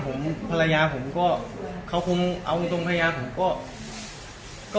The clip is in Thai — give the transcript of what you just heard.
โปรดติดตามตอนต่อไป